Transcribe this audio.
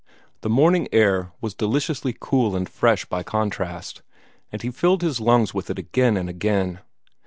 The morning air was deliciously cool and fresh by contrast, and he filled his lungs with it again and again.